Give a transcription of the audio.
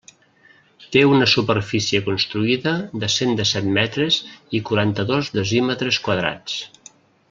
Té una superfície construïda de cent dèsset metres i quaranta-dos decímetres quadrats.